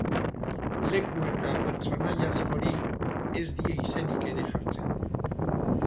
Leku eta pertsonaia askori ez die izenik ere jartzen.